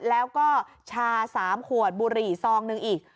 แล้วก็ชา๓ขวดบุหรี่ซองหนึ่งอีก